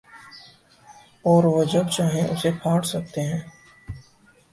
اوروہ جب چاہیں اسے پھاڑ سکتے ہیں۔